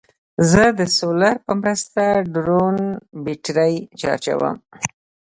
زه د سولر په مرسته ډرون بیټرۍ چارجوم.